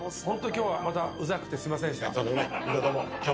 今日はまた、ウザくてすみませんでした。